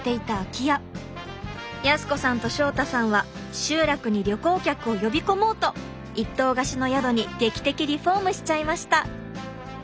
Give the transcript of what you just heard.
靖子さんと祥太さんは集落に旅行客を呼び込もう！と一棟貸しの宿に劇的リフォームしちゃいました。